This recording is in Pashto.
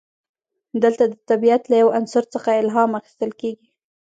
دلته د طبیعت له یو عنصر څخه الهام اخیستل کیږي.